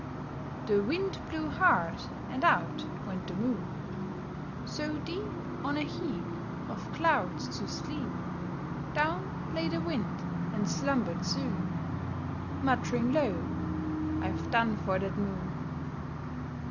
The Wind blew hard, and out went the Moon. So deep, On a heap Of clouds, to sleep, Down lay the Wind, and slumbered soon Muttering low, "I've done for that Moon."